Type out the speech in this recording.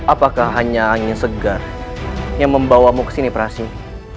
apakah hanya angin segar yang membawamu ke sini prasi